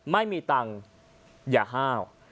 ไม่มีตังค์อย่าห้าว